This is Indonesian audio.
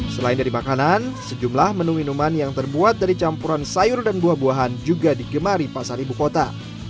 selain dari makanan sejumlah menu minuman yang terbuat dari campuran sayur dan buah buahan juga digemari pasar ibu kota